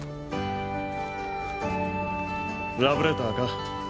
ラブレターか？